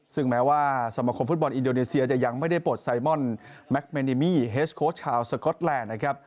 ซึ่งแม้ว่าสมคมฟุตบอลอินโดนีเซียจะยังไม่ได้ปลดไซมอนแมคเมนิมี่เฮสโค้ชชาวสก๊อตแลนด์นะครับ